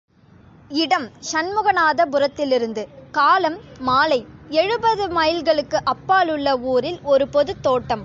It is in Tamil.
இடம் ஷண்முகநாத புரத்திலிருந்து காலம் மாலை எழுபது மைல்களுக்கு அப்பாலுள்ள ஊரில் ஒரு பொதுத் தோட்டம்.